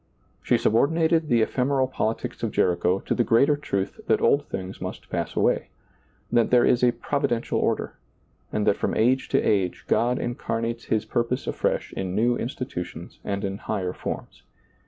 She subor dinated the ephemeral politics of Jericho to the greater truth that old things must pass away; that there is a Providential order ; and that from age to age God incarnates His purpose afresh in new institutions and in higher forms.